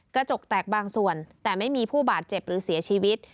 กระจกแตกบางส่วนแต่ไม่มีผู้บาดเจ็บหรือเสียชีวิต